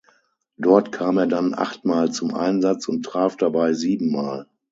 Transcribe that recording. Dort kam er dann achtmal zum Einsatz und traf dabei siebenmal.